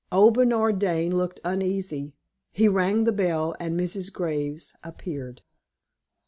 Old Bernard Dane looked uneasy. He rang the bell, and Mrs. Graves appeared.